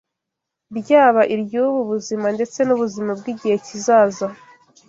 ryaba iry’ubu buzima ndetse n’ubuzima bw’igihe kizaza.